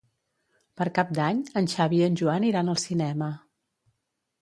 Per Cap d'Any en Xavi i en Joan iran al cinema.